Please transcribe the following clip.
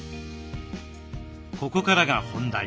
ここからが本題。